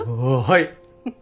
はい。